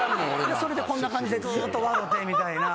それでこんな感じでずっと笑ってみたいな。